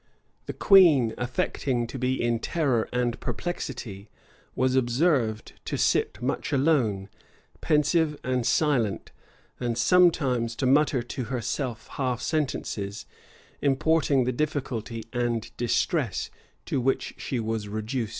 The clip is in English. The queen, affecting to be in terror and perplexity, was observed to sit much alone, pensive and silent; and sometimes to mutter to herself half sentences, importing the difficulty and distress to which she was reduced.